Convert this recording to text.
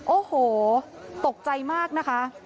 โอ้โหตกใจมากนะคะ